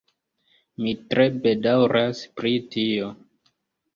Mi tre bedaŭras pri tio.